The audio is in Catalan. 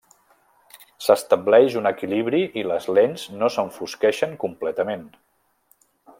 S'estableix un equilibri i les lents no s'enfosqueixen completament.